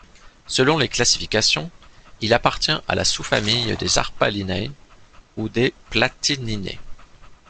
Selon les classifications, il appartient à la sous-famille des Harpalinae ou des Platyninae.